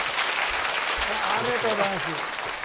ありがとうございます。